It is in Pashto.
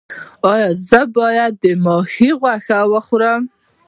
ایا زه باید د ماهي غوښه وخورم؟